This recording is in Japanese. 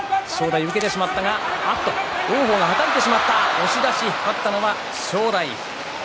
押し出し、勝ったのは正代。